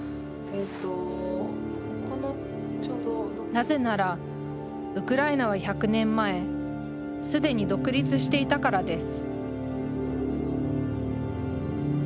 なぜならウクライナは１００年前既に独立していたからです